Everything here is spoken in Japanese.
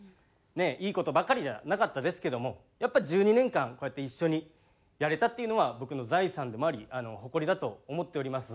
ねえいい事ばっかりじゃなかったですけどもやっぱ１２年間こうやって一緒にやれたっていうのは僕の財産でもあり誇りだと思っております。